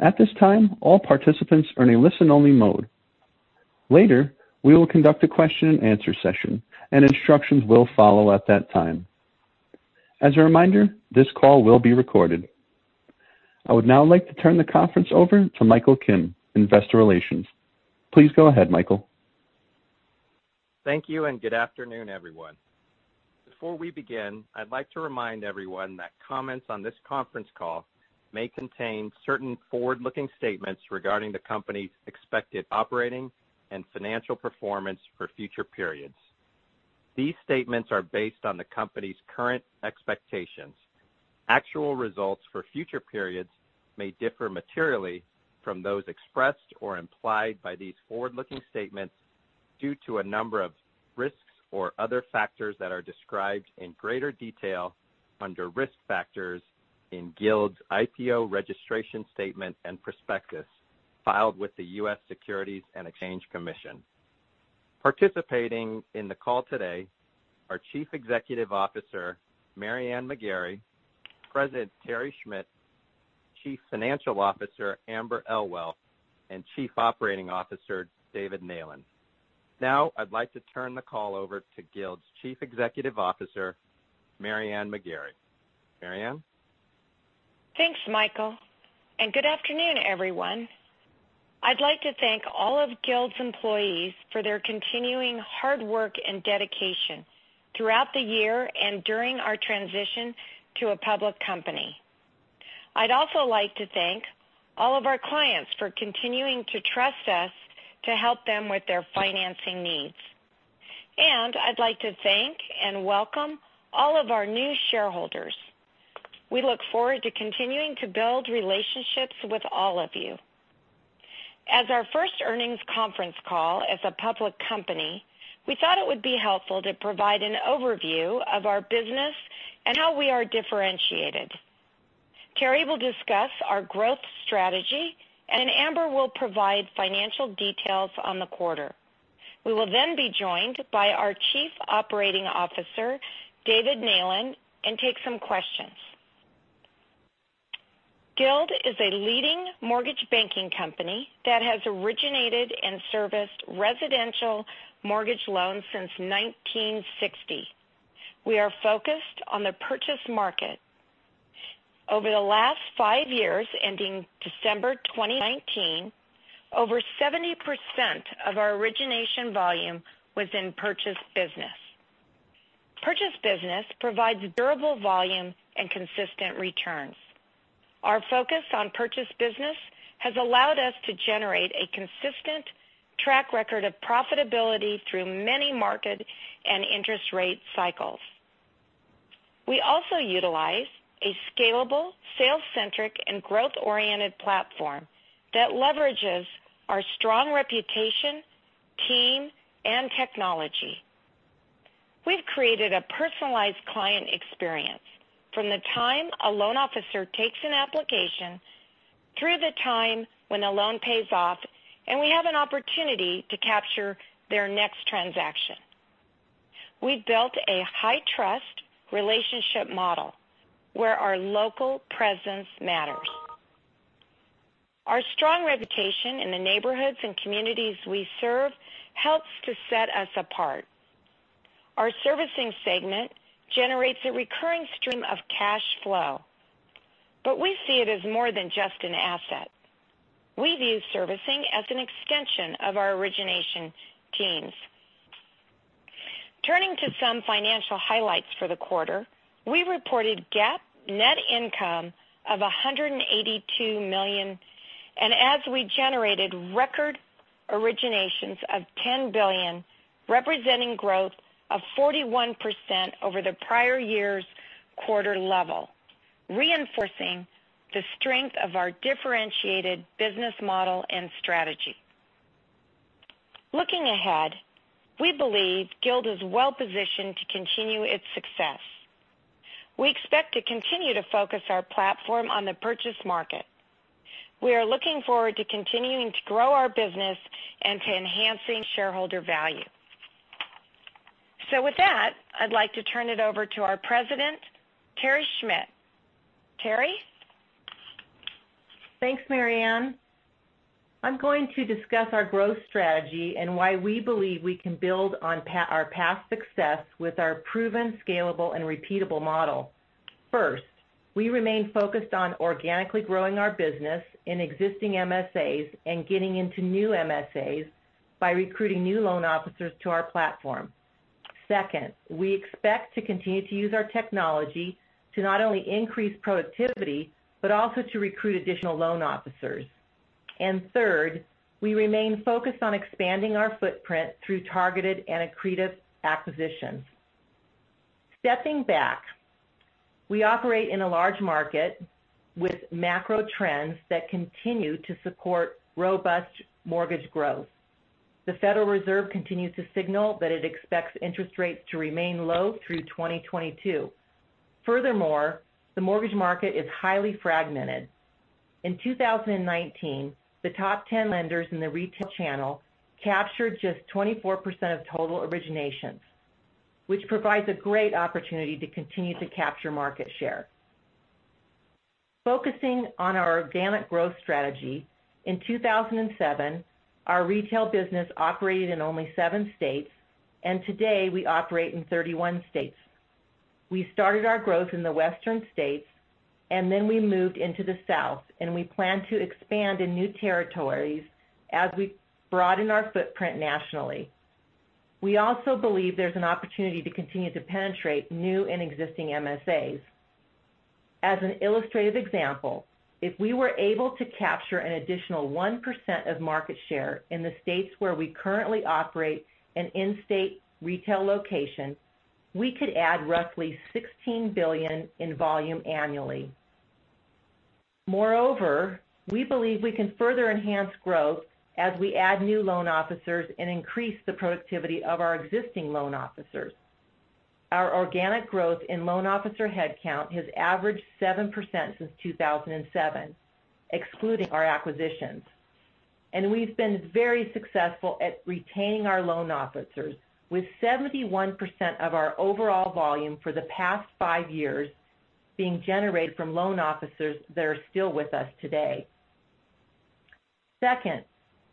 At this time, all participants are in a listen-only mode. Later, we will conduct a question and answer session, and instructions will follow at that time. As a reminder, this call will be recorded. I would now like to turn the conference over to Michael Kim, Investor Relations.Please go ahead, Michael. Thank you, good afternoon, everyone. Before we begin, I'd like to remind everyone that comments on this conference call may contain certain forward-looking statements regarding the company's expected operating and financial performance for future periods. These statements are based on the company's current expectations. Actual results for future periods may differ materially from those expressed or implied by these forward-looking statements due to a number of risks or other factors that are described in greater detail under Risk Factors in Guild's IPO registration statement and prospectus, filed with the U.S. Securities and Exchange Commission. Participating in the call today are Chief Executive Officer, Mary Ann McGarry, President Terry Schmidt, Chief Financial Officer Amber Kramer, and Chief Operating Officer David Neylan. I'd like to turn the call over to Guild's Chief Executive Officer, Mary Ann McGarry. Mary Ann? Thanks, Michael, and good afternoon, everyone. I'd like to thank all of Guild's employees for their continuing hard work and dedication throughout the year and during our transition to a public company. I'd also like to thank all of our clients for continuing to trust us to help them with their financing needs. I'd like to thank and welcome all of our new shareholders. We look forward to continuing to build relationships with all of you. As our first earnings conference call as a public company, we thought it would be helpful to provide an overview of our business and how we are differentiated. Terry will discuss our growth strategy, and then Amber will provide financial details on the quarter. We will then be joined by our Chief Operating Officer, David Neylan, and take some questions. Guild is a leading mortgage banking company that has originated and serviced residential mortgage loans since 1960. We are focused on the purchase market. Over the last five years, ending December 2019, over 70% of our origination volume was in purchase business. Purchase business provides durable volume and consistent returns. Our focus on purchase business has allowed us to generate a consistent track record of profitability through many market and interest rate cycles. We also utilize a scalable, sales-centric, and growth-oriented platform that leverages our strong reputation, team, and technology. We've created a personalized client experience from the time a loan officer takes an application through the time when a loan pays off, and we have an opportunity to capture their next transaction. We've built a high-trust relationship model where our local presence matters. Our strong reputation in the neighborhoods and communities we serve helps to set us apart. Our servicing segment generates a recurring stream of cash flow, but we see it as more than just an asset. We view servicing as an extension of our origination teams. Turning to some financial highlights for the quarter, we reported GAAP net income of $182 million, and as we generated record originations of $10 billion, representing growth of 41% over the prior year's quarter level, reinforcing the strength of our differentiated business model and strategy. Looking ahead, we believe Guild is well-positioned to continue its success. We expect to continue to focus our platform on the purchase market. We are looking forward to continuing to grow our business and to enhancing shareholder value. With that, I'd like to turn it over to our President, Terry Schmidt. Terry? Thanks, Mary Ann. I'm going to discuss our growth strategy and why we believe we can build on our past success with our proven, scalable, and repeatable model. First, we remain focused on organically growing our business in existing MSAs and getting into new MSAs by recruiting new loan officers to our platform. Second, we expect to continue to use our technology to not only increase productivity, but also to recruit additional loan officers. Third, we remain focused on expanding our footprint through targeted and accretive acquisitions. Stepping back, we operate in a large market with macro trends that continue to support robust mortgage growth. The Federal Reserve continues to signal that it expects interest rates to remain low through 2022. Furthermore, the mortgage market is highly fragmented. In 2019, the top 10 lenders in the retail channel captured just 24% of total originations, which provides a great opportunity to continue to capture market share. Focusing on our organic growth strategy, in 2007, our retail business operated in only seven states, and today we operate in 31 states. We started our growth in the western states, and then we moved into the South, and we plan to expand in new territories as we broaden our footprint nationally. We also believe there's an opportunity to continue to penetrate new and existing MSAs. As an illustrative example, if we were able to capture an additional 1% of market share in the states where we currently operate an in-state retail location, we could add roughly $16 billion in volume annually. Moreover, we believe we can further enhance growth as we add new loan officers and increase the productivity of our existing loan officers. Our organic growth in loan officer headcount has averaged 7% since 2007, excluding our acquisitions. We've been very successful at retaining our loan officers, with 71% of our overall volume for the past five years being generated from loan officers that are still with us today. Second,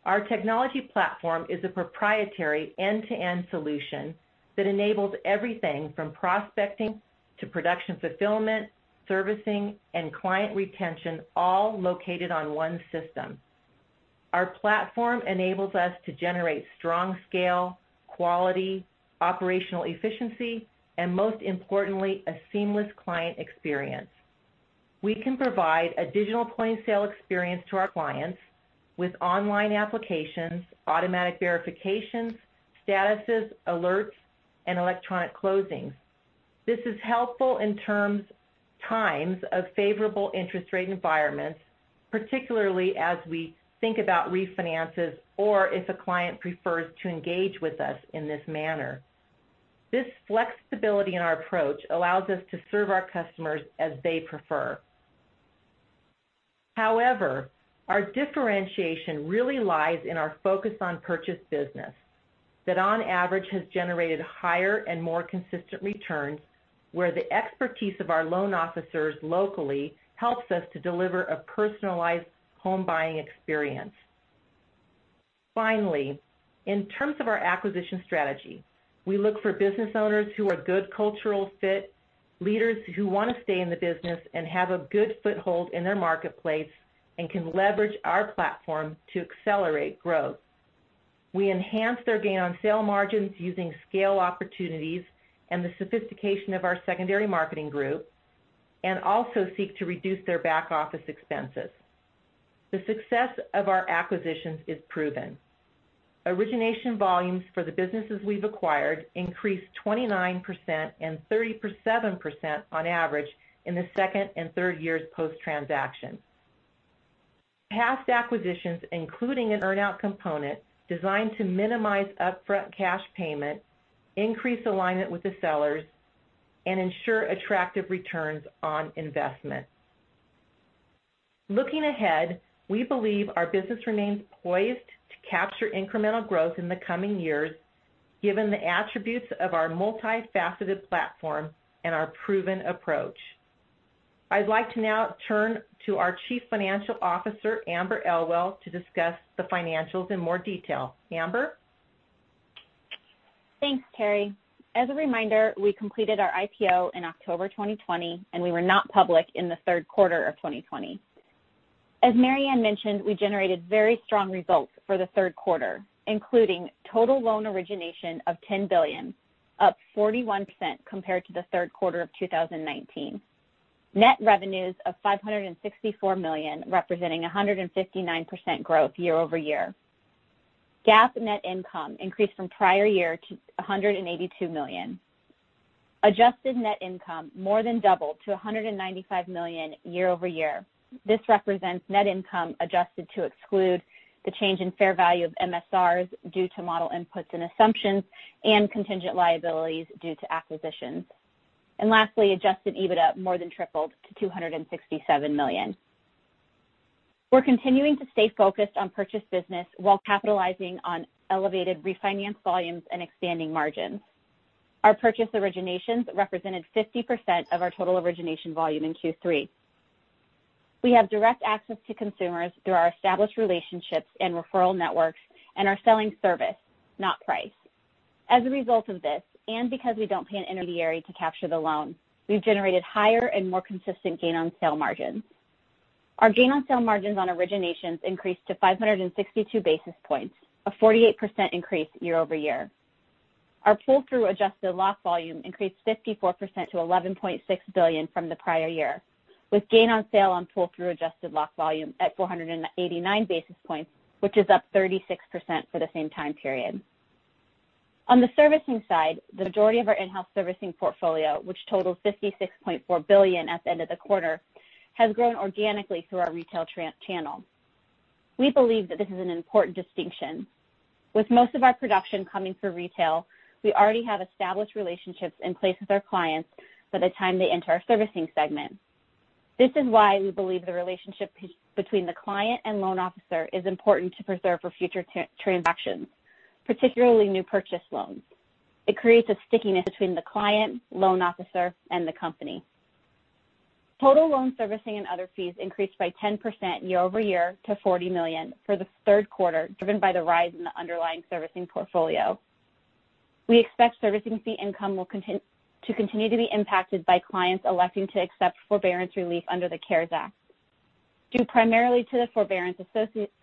our technology platform is a proprietary end-to-end solution that enables everything from prospecting to production fulfillment, servicing, and client retention, all located on one system. Our platform enables us to generate strong scale, quality, operational efficiency, and most importantly, a seamless client experience. We can provide a digital point-of-sale experience to our clients with online applications, automatic verifications, statuses, alerts, and electronic closings. This is helpful in times of favorable interest rate environments, particularly as we think about refinances or if a client prefers to engage with us in this manner. This flexibility in our approach allows us to serve our customers as they prefer. However, our differentiation really lies in our focus on purchase business that, on average, has generated higher and more consistent returns, where the expertise of our loan officers locally helps us to deliver a personalized home buying experience. Finally, in terms of our acquisition strategy, we look for business owners who are a good cultural fit, leaders who want to stay in the business and have a good foothold in their marketplace, and can leverage our platform to accelerate growth. We enhance their gain on sale margins using scale opportunities and the sophistication of our secondary marketing group, and also seek to reduce their back-office expenses. The success of our acquisitions is proven. Origination volumes for the businesses we've acquired increased 29% and 37% on average in the second and third years post-transaction. Past acquisitions, including an earn-out component designed to minimize upfront cash payment, increase alignment with the sellers, and ensure attractive returns on investment. Looking ahead, we believe our business remains poised to capture incremental growth in the coming years, given the attributes of our multifaceted platform and our proven approach. I'd like to now turn to our Chief Financial Officer, Amber Kramer, to discuss the financials in more detail. Amber? Thanks, Terry. As a reminder, we completed our IPO in October 2020, and we were not public in the third quarter of 2020. As Mary Ann mentioned, we generated very strong results for the third quarter, including total loan origination of $10 billion, up 41% compared to the third quarter of 2019. Net revenues of $564 million, representing 159% growth year-over-year. GAAP net income increased from prior year to $182 million. Adjusted net income more than doubled to $195 million year-over-year. This represents net income adjusted to exclude the change in fair value of MSRs due to model inputs and assumptions and contingent liabilities due to acquisitions. Lastly, adjusted EBITDA more than tripled to $267 million. We're continuing to stay focused on purchase business while capitalizing on elevated refinance volumes and expanding margins. Our purchase originations represented 50% of our total origination volume in Q3. We have direct access to consumers through our established relationships and referral networks and are selling service, not price. As a result of this, and because we don't pay an intermediary to capture the loan, we've generated higher and more consistent gain on sale margins. Our gain on sale margins on originations increased to 562 basis points, a 48% increase year-over-year. Our pull-through adjusted lock volume increased 54% to $11.6 billion from the prior year, with gain on sale on pull-through adjusted lock volume at 489 basis points, which is up 36% for the same time period. On the servicing side, the majority of our in-house servicing portfolio, which totals $56.4 billion at the end of the quarter, has grown organically through our retail channel. We believe that this is an important distinction. With most of our production coming through retail, we already have established relationships in place with our clients by the time they enter our servicing segment. This is why we believe the relationship between the client and loan officer is important to preserve for future transactions, particularly new purchase loans. It creates a stickiness between the client, loan officer, and the company. Total loan servicing and other fees increased by 10% year-over-year to $40 million for the third quarter, driven by the rise in the underlying servicing portfolio. We expect servicing fee income to continue to be impacted by clients electing to accept forbearance relief under the CARES Act. Due primarily to the forbearance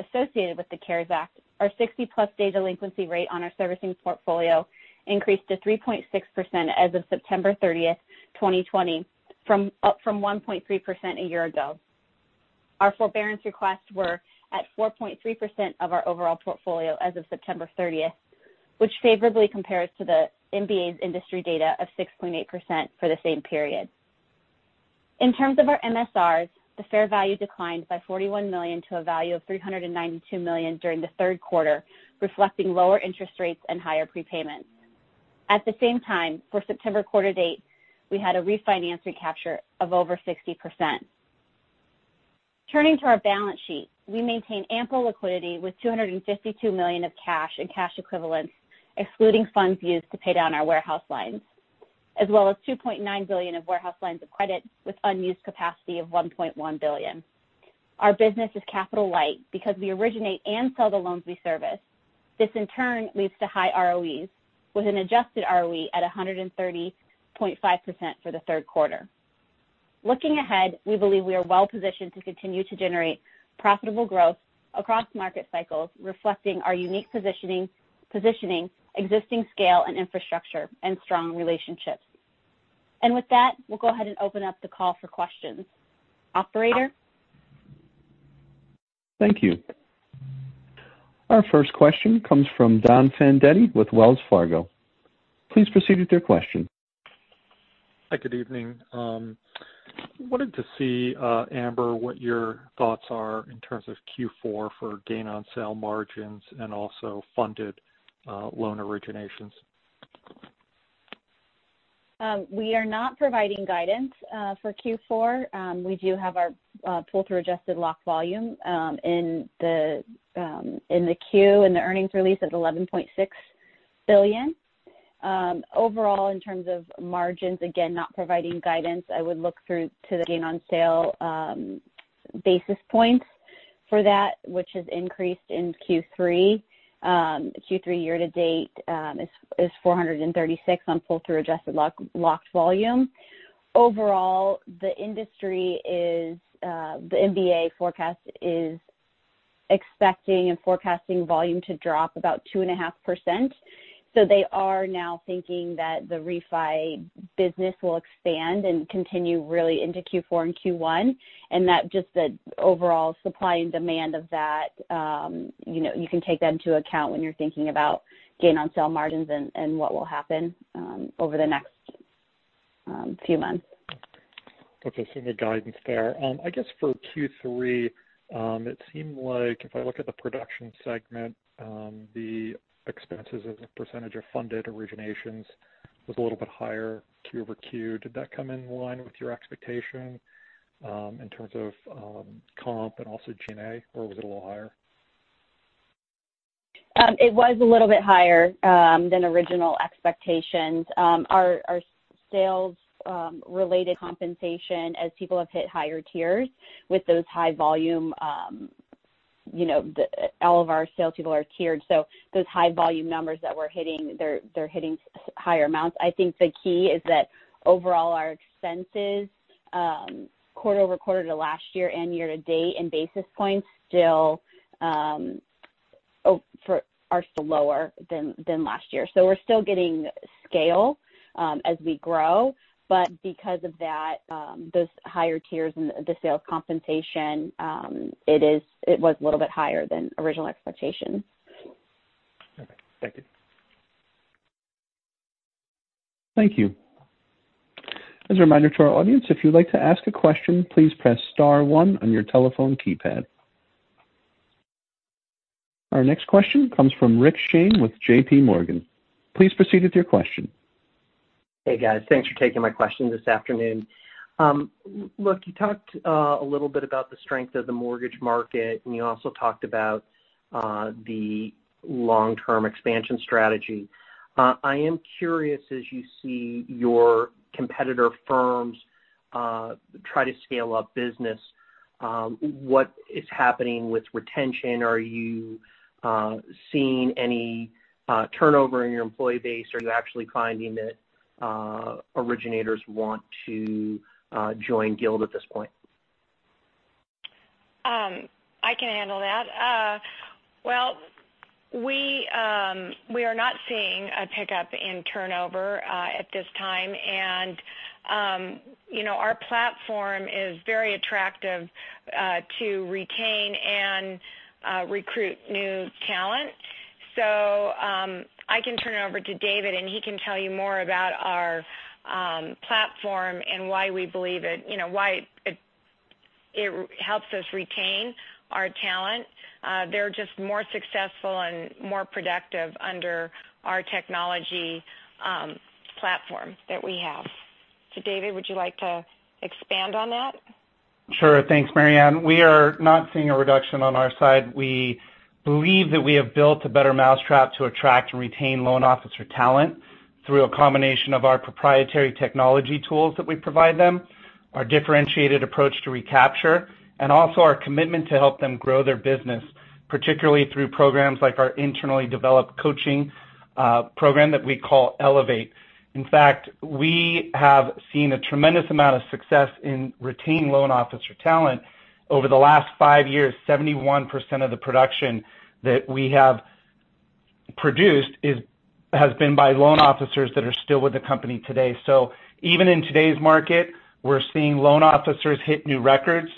associated with the CARES Act, our 60-plus day delinquency rate on our servicing portfolio increased to 3.6% as of September 30th, 2020, up from 1.3% a year ago. Our forbearance requests were at 4.3% of our overall portfolio as of September 30th, which favorably compares to the MBA's industry data of 6.8% for the same period. In terms of our MSRs, the fair value declined by $41 million to a value of $392 million during the third quarter, reflecting lower interest rates and higher prepayments. At the same time, for September quarter date, we had a refinance recapture of over 60%. Turning to our balance sheet, we maintain ample liquidity with $252 million of cash and cash equivalents, excluding funds used to pay down our warehouse lines, as well as $2.9 billion of warehouse lines of credit with unused capacity of $1.1 billion. Our business is capital light because we originate and sell the loans we service. This in turn leads to high ROEs, with an adjusted ROE at 130.5% for the third quarter. Looking ahead, we believe we are well positioned to continue to generate profitable growth across market cycles, reflecting our unique positioning, existing scale and infrastructure, and strong relationships. With that, we'll go ahead and open up the call for questions. Operator? Thank you. Our first question comes from Donald Fandetti with Wells Fargo. Please proceed with your question. Hi, good evening. I wanted to see, Amber, what your thoughts are in terms of Q4 for gain on sale margins and also funded loan originations. We are not providing guidance for Q4. We do have our pull-through adjusted lock volume in the earnings release at $11.6 billion. Overall, in terms of margins, again, not providing guidance. I would look through to the gain on sale basis points for that, which has increased in Q3. Q3 year-to-date is 436 on pull-through adjusted lock volume. Overall, the industry the MBA forecast is expecting and forecasting volume to drop about 2.5%. They are now thinking that the refi business will expand and continue really into Q4 and Q1, that just the overall supply and demand of that, you can take that into account when you're thinking about gain on sale margins and what will happen over the next few months. Okay. No guidance there. I guess for Q3, it seemed like if I look at the production segment, the expenses as a percentage of funded originations was a little bit higher Q-over-Q. Did that come in line with your expectation in terms of comp and also G&A, or was it a little higher? It was a little bit higher than original expectations. Our sales-related compensation as people have hit higher tiers with those high volume. All of our salespeople are tiered, those high volume numbers that we're hitting, they're hitting higher amounts. I think the key is that overall our expenses, quarter-over-quarter to last year and year-to-date in basis points are still lower than last year. We're still getting scale as we grow. Because of those higher tiers and the sales compensation, it was a little bit higher than original expectations. Okay. Thank you. Thank you. As a reminder to our audience, if you'd like to ask a question, please press star 1 on your telephone keypad. Our next question comes from Rich Shane with JPMorgan. Please proceed with your question. Hey, guys. Thanks for taking my question this afternoon. Look, you talked a little bit about the strength of the mortgage market. You also talked about the long-term expansion strategy. I am curious, as you see your competitor firms try to scale up business, what is happening with retention? Are you seeing any turnover in your employee base? Are you actually finding that originators want to join Guild at this point? I can handle that. Well, we are not seeing a pickup in turnover at this time. Our platform is very attractive to retain and recruit new talent. I can turn it over to David, and he can tell you more about our platform and why we believe it It helps us retain our talent. They're just more successful and more productive under our technology platform that we have. David, would you like to expand on that? Sure. Thanks, Mary Ann. We are not seeing a reduction on our side. We believe that we have built a better mousetrap to attract and retain loan officer talent through a combination of our proprietary technology tools that we provide them, our differentiated approach to recapture, and also our commitment to help them grow their business, particularly through programs like our internally developed coaching program that we call Elevate. In fact, we have seen a tremendous amount of success in retaining loan officer talent. Over the last five years, 71% of the production that we have produced has been by loan officers that are still with the company today. Even in today's market, we're seeing loan officers hit new records.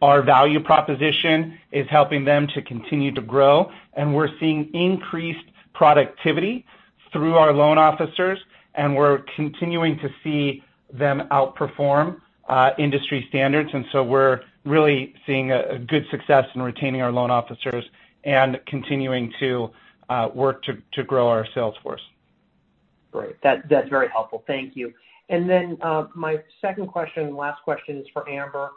Our value proposition is helping them to continue to grow, and we're seeing increased productivity through our loan officers, and we're continuing to see them outperform industry standards. We're really seeing a good success in retaining our loan officers and continuing to work to grow our sales force. Great. That's very helpful. Thank you. My second question and last question is for Amber.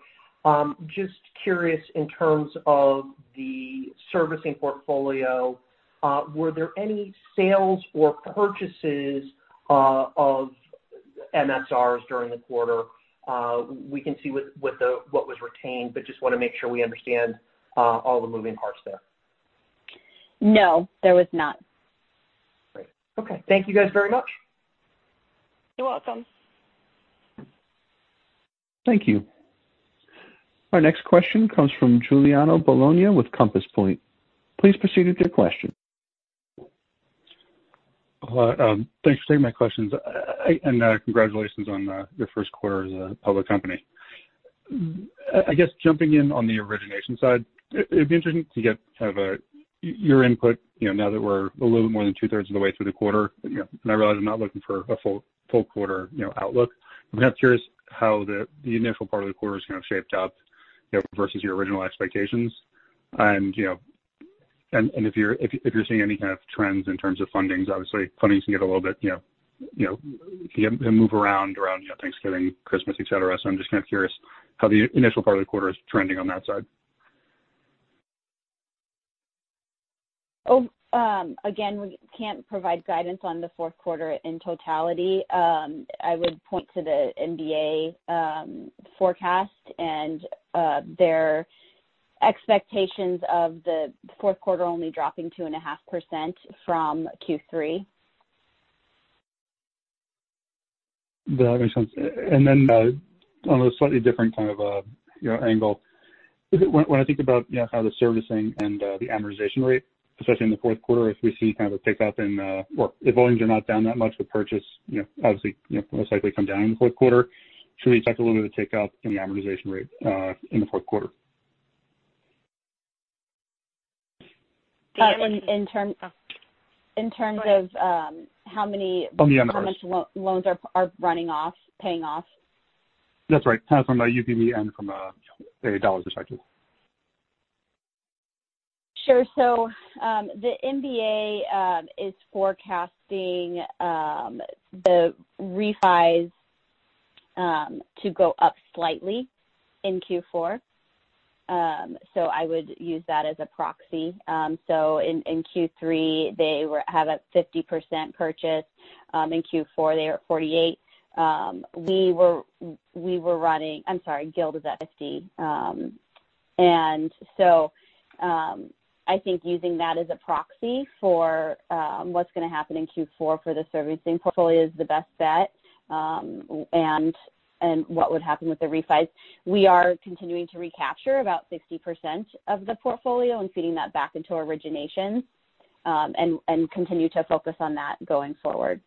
Just curious in terms of the servicing portfolio, were there any sales or purchases of MSRs during the quarter? We can see what was retained, but just want to make sure we understand all the moving parts there. No, there was not. Great. Okay. Thank you guys very much. You're welcome. Thank you. Our next question comes from Giuliano Bologna with Compass Point. Please proceed with your question. Hello. Thanks for taking my questions. Congratulations on your first quarter as a public company. I guess jumping in on the origination side, it'd be interesting to get kind of your input, now that we're a little bit more than two-thirds of the way through the quarter. I realize I'm not looking for a full quarter outlook. I'm kind of curious how the initial part of the quarter has kind of shaped up versus your original expectations. If you're seeing any kind of trends in terms of fundings, obviously fundings can move around Thanksgiving, Christmas, et cetera. I'm just kind of curious how the initial part of the quarter is trending on that side. Again, we can't provide guidance on the fourth quarter in totality. I would point to the MBA forecast and their expectations of the fourth quarter only dropping 2.5% from Q3. That makes sense. On a slightly different kind of angle, when I think about how the servicing and the amortization rate, especially in the fourth quarter, if we see kind of a pickup in or if volumes are not down that much with purchase, obviously, most likely come down in the fourth quarter. Should we expect a little bit of a pickup in the amortization rate in the fourth quarter? In terms of how many- On the MSRs How much loans are running off, paying off? That's right. From the UPB and from a dollars perspective. Sure. The MBA is forecasting the refis to go up slightly in Q4, so I would use that as a proxy. In Q3, they have a 50% purchase. In Q4, they are at 48. Guild is at 50. I think using that as a proxy for what's going to happen in Q4 for the servicing portfolio is the best bet. What would happen with the refis. We are continuing to recapture about 60% of the portfolio and feeding that back into our origination, and continue to focus on that going forward.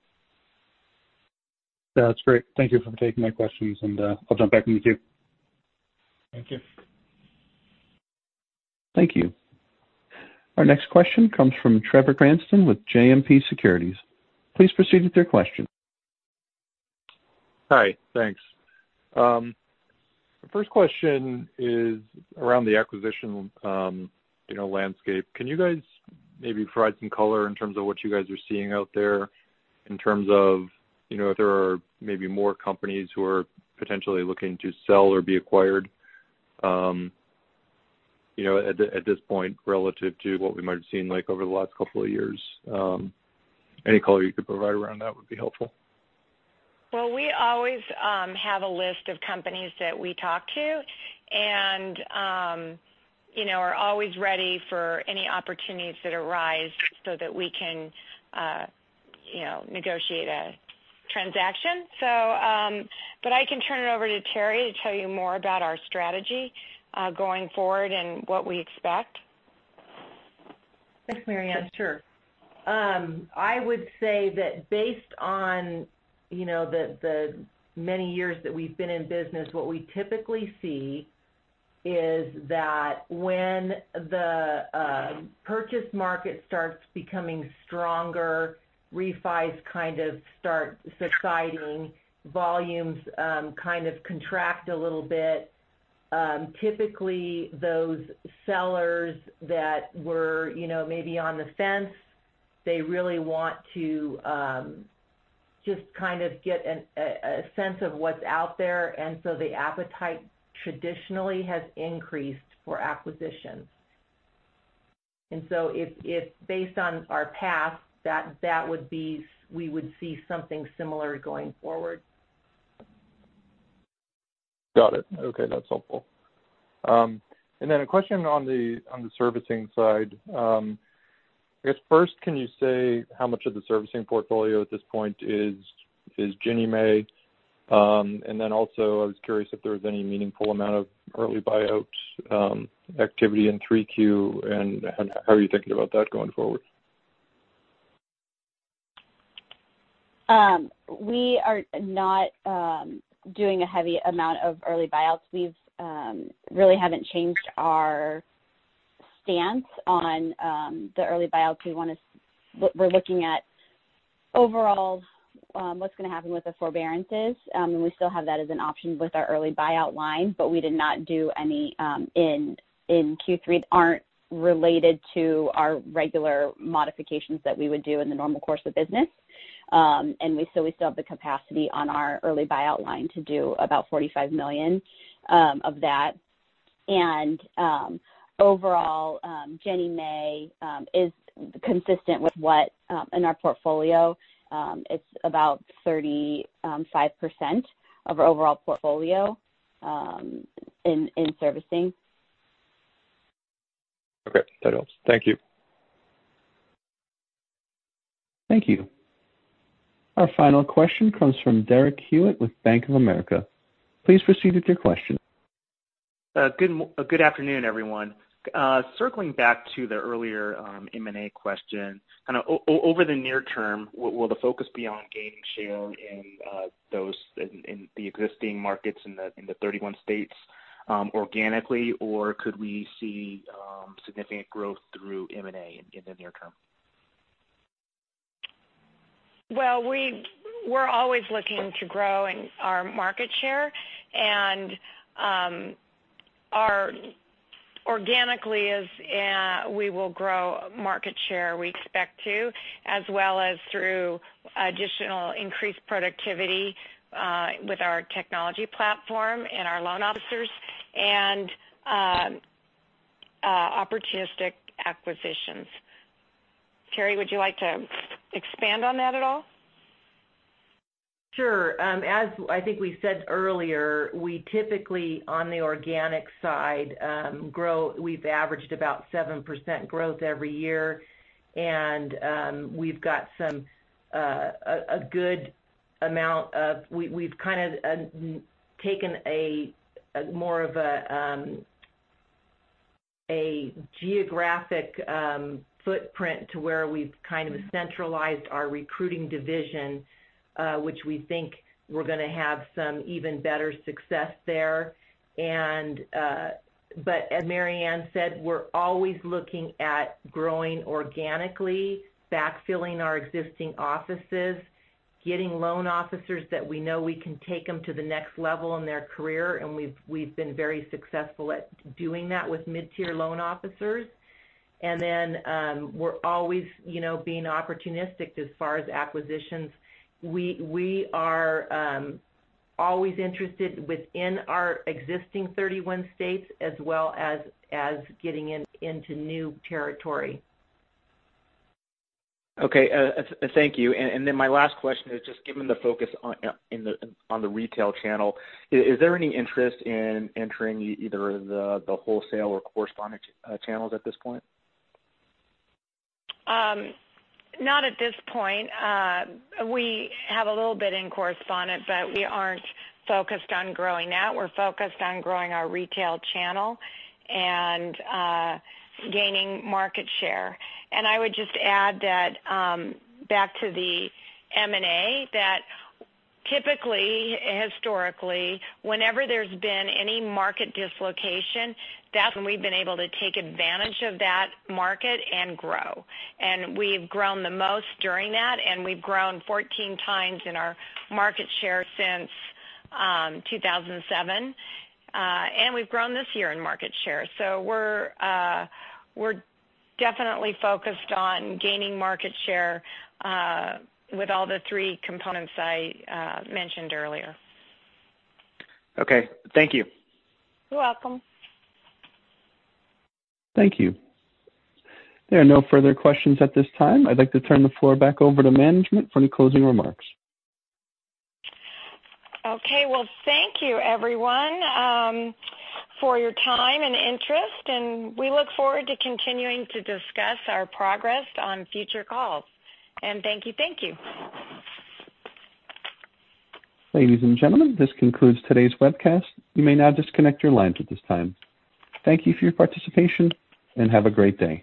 That's great. Thank you for taking my questions and I'll jump back in the queue. Thank you. Thank you. Our next question comes from Trevor Cranston with JMP Securities. Please proceed with your question. Hi. Thanks. First question is around the acquisition landscape. Can you guys maybe provide some color in terms of what you guys are seeing out there in terms of if there are maybe more companies who are potentially looking to sell or be acquired at this point relative to what we might have seen over the last couple of years? Any color you could provide around that would be helpful. Well, we always have a list of companies that we talk to and are always ready for any opportunities that arise so that we can negotiate a transaction. I can turn it over to Terry to tell you more about our strategy going forward and what we expect. Thanks, Mary Ann. Sure. I would say that based on the many years that we've been in business, what we typically see is that when the purchase market starts becoming stronger, refis kind of start subsiding, volumes kind of contract a little bit. Typically, those sellers that were maybe on the fence, they really want to just kind of get a sense of what's out there, and so the appetite traditionally has increased for acquisitions. If based on our past, we would see something similar going forward. Got it. Okay, that's helpful. Then a question on the servicing side. I guess first, can you say how much of the servicing portfolio at this point is Ginnie Mae? Then also, I was curious if there was any meaningful amount of early buyouts activity in 3Q, and how are you thinking about that going forward? We are not doing a heavy amount of early buyouts. We really haven't changed our stance on the early buyouts. We're looking at overall, what's going to happen with the forbearances. We still have that as an option with our early buyout line, we did not do any in Q3 that aren't related to our regular modifications that we would do in the normal course of business. We still have the capacity on our early buyout line to do about $45 million of that. Overall, Ginnie Mae is consistent with what in our portfolio. It's about 35% of our overall portfolio in servicing. Okay. That helps. Thank you. Thank you. Our final question comes from Derek Hewett with Bank of America. Please proceed with your question. Good afternoon, everyone. Circling back to the earlier M&A question, kind of over the near term, will the focus be on gaining share in the existing markets in the 31 states organically, or could we see significant growth through M&A in the near term? Well, we're always looking to grow our market share, and organically we will grow market share, we expect to, as well as through additional increased productivity with our technology platform and our loan officers and opportunistic acquisitions. Terry, would you like to expand on that at all? Sure. As I think we said earlier, we typically, on the organic side grow. We've averaged about 7% growth every year. We've kind of taken more of a geographic footprint to where we've kind of centralized our recruiting division, which we think we're going to have some even better success there. As Mary Ann said, we're always looking at growing organically, backfilling our existing offices, getting loan officers that we know we can take them to the next level in their career, and we've been very successful at doing that with mid-tier loan officers. We're always being opportunistic as far as acquisitions. We are always interested within our existing 31 states as well as getting into new territory. Okay. Thank you. My last question is just given the focus on the retail channel, is there any interest in entering either the wholesale or correspondent channels at this point? Not at this point. We have a little bit in correspondent, we aren't focused on growing that. We're focused on growing our retail channel and gaining market share. I would just add that back to the M&A, that typically, historically, whenever there's been any market dislocation, that's when we've been able to take advantage of that market and grow. We've grown the most during that, and we've grown 14x in our market share since 2007. We've grown this year in market share. We're definitely focused on gaining market share with all the three components I mentioned earlier. Okay. Thank you. You're welcome. Thank you. There are no further questions at this time. I'd like to turn the floor back over to management for any closing remarks. Okay. Well, thank you, everyone, for your time and interest. We look forward to continuing to discuss our progress on future calls. Thank you, thank you. Ladies and gentlemen, this concludes today's webcast. You may now disconnect your lines at this time. Thank you for your participation, and have a great day.